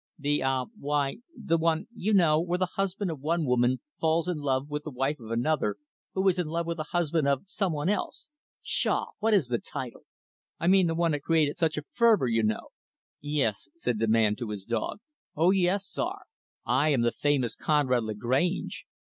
"The ah why the one, you know where the husband of one woman falls in love with the wife of another who is in love with the husband of some one else. Pshaw! what is the title? I mean the one that created such a furore, you know." "Yes" said the man, to his dog "O yes, Czar I am the famous Conrad Lagrange.